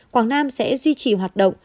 quảng nam sẽ duy trì hoạt động